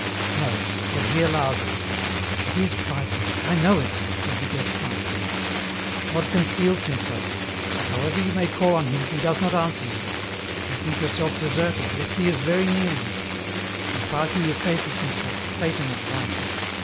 " No, but He allows it. It is frightful, I know it," said the guest master. " God conceals Himself, and however you may call on Him, He does not answer you. You think your self deserted, yet He is very near you ; and while He effaces Himself, Satan advances.